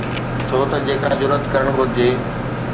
ڇو ته جيڪا جرئت ڪرڻ گهرجي.